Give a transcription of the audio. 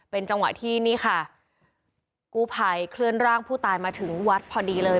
เป็นจังหวะที่นี่ค่ะกู้ภัยเคลื่อนร่างผู้ตายมาถึงวัดพอดีเลย